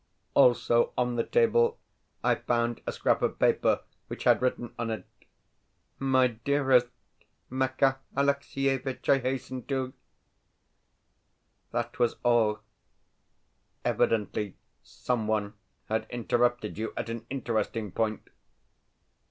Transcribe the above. Also, on the table I found a scrap of paper which had written on it, "My dearest Makar Alexievitch I hasten to " that was all. Evidently, someone had interrupted you at an interesting point.